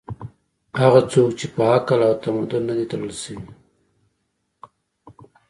هغه څوک چې په عقل او تمدن نه دي تړل شوي